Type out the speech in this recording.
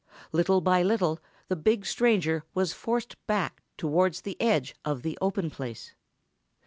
Little by little the big stranger was forced back towards the edge of the open place.